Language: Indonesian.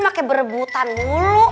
maka berebutan mulu